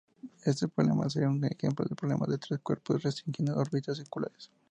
Este problema sería un ejemplo del problema de tres cuerpos restringido a órbitas circulares.